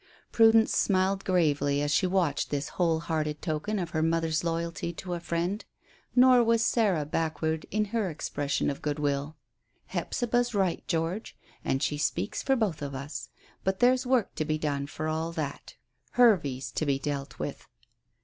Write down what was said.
Prudence smiled gravely as she watched this whole hearted token of her mother's loyalty to a friend. Nor was Sarah backward in her expression of goodwill. "Hephzibah's right, George, and she speaks for both of us. But there's work to be done for all that. Hervey's to be dealt with."